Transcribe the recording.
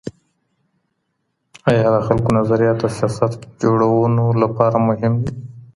آیا د خلکو نظریات د سیاست جوړونو لپاره مهم دي؟